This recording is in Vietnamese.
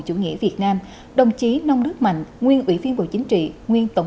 chủ nghĩa việt nam đồng chí nông đức mạnh nguyên ủy viên bộ chính trị nguyên tổng